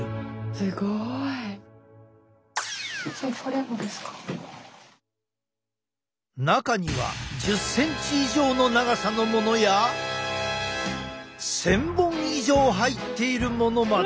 すごい！中には１０センチ以上の長さのものや１，０００本以上入っているものまで。